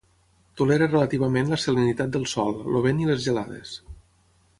Tolera relativament la salinitat del sòl, el vent i les gelades.